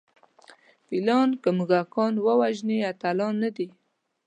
فیلان که موږکان ووژني اتلان نه دي.